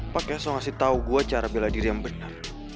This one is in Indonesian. pakai so ngasih tahu gue cara bela diri yang benar